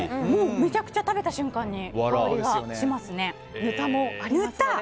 めちゃくちゃ食べた瞬間に香りがしますね。